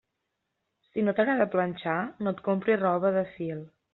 Si no t'agrada planxar, no et compris roba de fil.